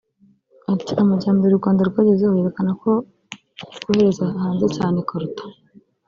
Ati “ amajyembere u Rwanda rwagezeho yerekana ko rwohereza hanze cyane coltan